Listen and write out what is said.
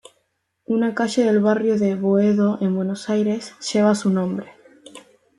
Una calle del barrio de Boedo en Buenos Aires lleva su nombre.